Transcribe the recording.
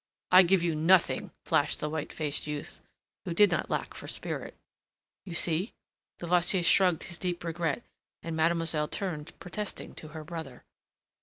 "I give you nothing," flashed the white faced youth, who did not lack for spirit. "You see." Levasseur shrugged his deep regret, and mademoiselle turned protesting to her brother.